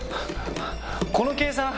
この計算。